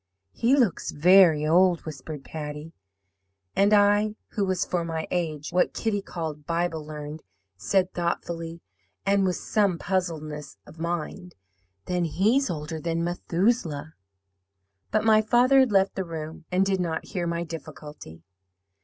"'He LOOKS very old,' whispered Patty. "And I, who was, for my age, what Kitty called 'Bible learned,' said thoughtfully, and with some puzzledness of mind, 'Then he's older than Methuselah.' "But my father had left the room, and did not hear my difficulty.